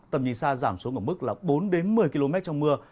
tầm nhìn xa giảm xuống ở mức là bốn đến một mươi km trong mưa